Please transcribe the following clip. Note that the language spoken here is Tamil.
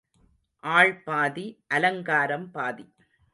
ஆள் பாதி, அலங்காரம் பாதி.